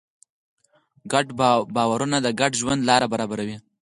ګډ باورونه د ګډ ژوند لاره برابروي.